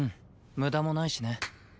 無駄もないしね。